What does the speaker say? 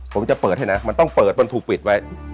ผมจะเปิดให้นะมันต้องเปิดมันถูกปิดไว้